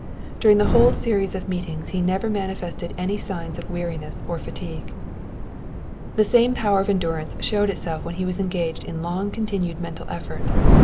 During the whole series of meetings he never manifested any signs of weariness or fatigue. The same power of endurance showed itself when he was engaged in long continued mental effort.